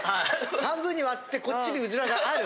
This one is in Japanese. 半分に割ってこっちにうずらがある。